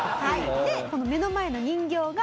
でこの目の前の人形が。